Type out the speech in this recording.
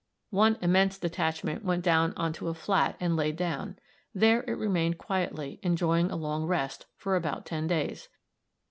One immense detachment went down on to a "flat" and laid down. There it remained quietly, enjoying a long rest, for about ten days.